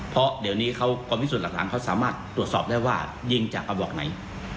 เพราะเดี๋ยวนี้เขากองพิสูจน์หลักฐานเขาสามารถตรวจสอบได้ว่ายิงจากกระบอกไหน